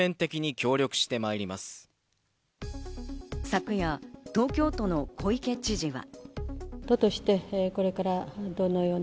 昨夜、東京都の小池知事は。